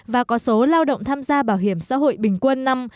và có số lao động tham gia bảo hiểm xã hội bình quân năm